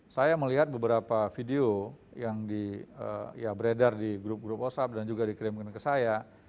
saya melihat beberapa video yang beredar di grup grup whatsapp dan juga dikirimkan ke saya